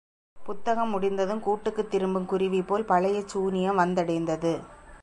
புத்தகம் முடிந்ததும் கூட்டுக்குத் திரும்பும் குருவிபோல் பழைய சூனியம் வந்தடைந்தது.